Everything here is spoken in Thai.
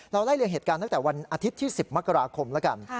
ไล่เลี่ยเหตุการณ์ตั้งแต่วันอาทิตย์ที่๑๐มกราคมแล้วกัน